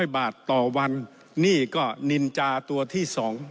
๐บาทต่อวันนี่ก็นินจาตัวที่๒